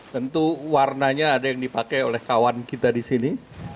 tentu warnanya ada yang dipakai oleh kawan kita di sini